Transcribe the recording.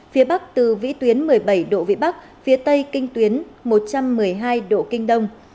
phía bắc từ vĩ tuyến một mươi bảy độ vĩ bắc phía tây kinh tuyến một trăm một mươi hai độ kinh đông